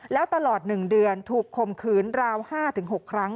แล้วตลอด๑เดือนถูกคมขืนราว๕๖ครั้ง